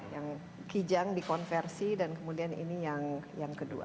yang kijang dikonversi dan kemudian ini yang kedua